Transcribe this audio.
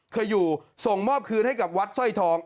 เคยอยู่ส่งมอบคืนให้กับวัดสร้อยทอง